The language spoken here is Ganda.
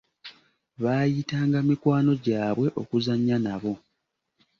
Baayita nga mikwano gy'abwe okuzannya nabo.